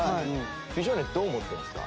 美少年どう思ってるんですか？